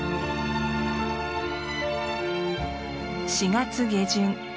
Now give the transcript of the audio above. ４月下旬。